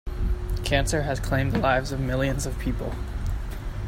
Cancer has claimed the lives of millions of people.